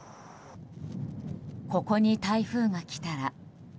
ここに台風が来たら。